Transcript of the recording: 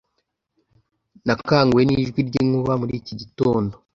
nakanguwe nijwi ryinkuba muri iki gitondo